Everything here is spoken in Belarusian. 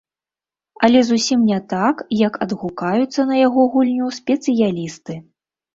Але зусім не так, як адгукаюцца на яго гульню спецыялісты.